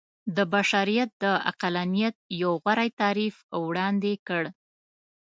د بشريت د عقلانيت يو غوره تعريف وړاندې کړ.